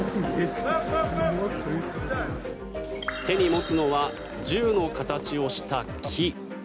手に持つのは銃の形をした木。